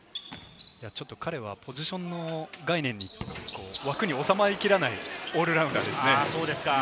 彼はポジションの概念の枠に収まりきらないオールラウンダーですね。